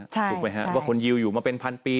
ถูกไหมฮะว่าคนยิวอยู่มาเป็นพันปี